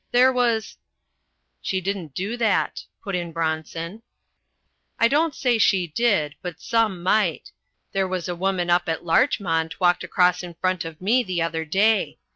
There was " "She didn't do that," put in Bronson. "I don't say she did, but some might. There was a woman up at Larchmont walked across in front of me the other day.